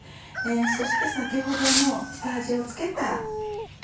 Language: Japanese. そして先ほどの下味を付けた。